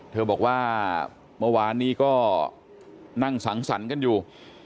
เธอบอกว่าเมื่อวานนี้ก็นั่งสังสรรค์กันอยู่